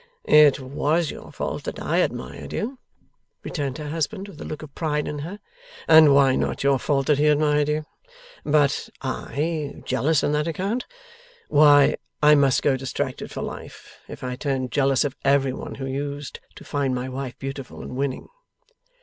'It was your fault that I admired you,' returned her husband, with a look of pride in her, 'and why not your fault that he admired you? But, I jealous on that account? Why, I must go distracted for life, if I turned jealous of every one who used to find my wife beautiful and winning!